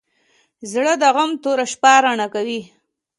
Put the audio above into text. زړه د غم توره شپه رڼا کوي.